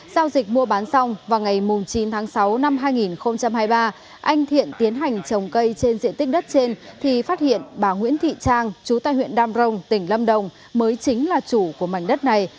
sau dịch mua bán xong vào ngày chín tháng sáu năm hai nghìn hai mươi ba anh thiện tiến hành trồng cây trên diện tích đất trên thì phát hiện bà nguyễn thị trang chú tại huyện đam rồng tỉnh lâm đồng mới chính là chủ của mảnh đất này